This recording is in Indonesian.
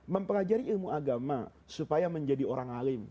mempelajari ilmu agama supaya menjadi orang alim